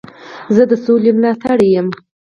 زه د سولي ملاتړی یم.